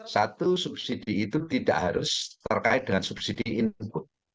satu subsidi itu tidak harus terkait dengan subsidi input